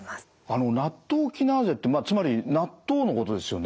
あのナットウキナーゼってまあつまり納豆のことですよね？